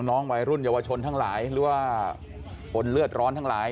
น้องวัยรุ่นเยาวชนทั้งหลายหรือว่าคนเลือดร้อนทั้งหลาย